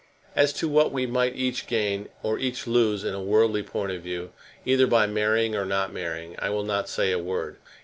As to what we might each gain or each lose in a worldly point of view, either by marrying or not marrying, I will not say a word.